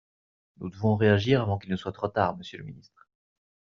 Nous devons réagir avant qu’il ne soit trop tard, monsieur le ministre.